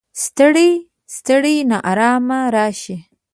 ستړی، ستړی ناارام راشي